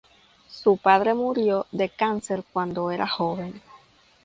Su padre murió de cáncer cuando era joven.